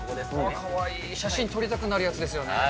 かわいい、写真撮りたくなるやつですよね。